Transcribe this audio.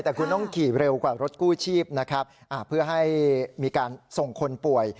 แต่คุณต้องขี่เร็วกว่ารถกู้ชีพนะครับเพื่อให้มีการส่งคนป่วย